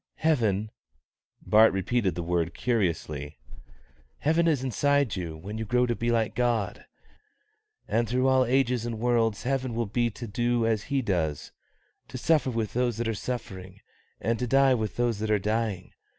"Heaven" (Bart repeated the word curiously), "heaven is inside you when you grow to be like God; and through all ages and worlds heaven will be to do as He does, to suffer with those that are suffering, and to die with those that are dying.